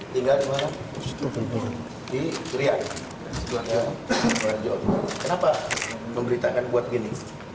di krian jawa timur kenapa memberitakan buat gini